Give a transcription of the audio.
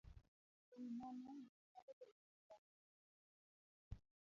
E wi mano, ng'ato nyalo bedo gi lony mar